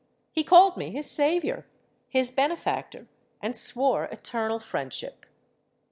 He called me his saviour—his benefactor, and swore eternal friendship.